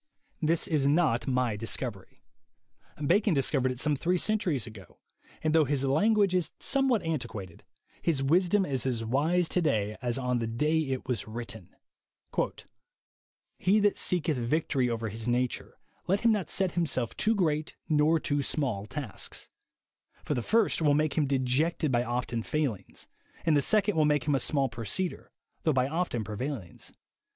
This is not my discovery. Bacon discovered it some three centuries ago, and though his language is somewhat antiquated, his wisdom is as wise to day as on the day it was written : "He that seeketh victory over his nature, let him not set himself too great nor too small tasks; for the first will make him dejected by often failings, and the second will make him a small proceeder, though by often pre vailings.